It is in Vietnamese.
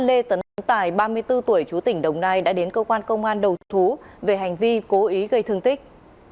đối tượng truy nã lê tấn tài ba mươi bốn tuổi chú tỉnh đồng nai đã đến công an đầu thú về hành vi cố ý gây thương tích